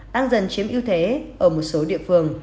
đang dần chiếm ưu thế ở một số địa phương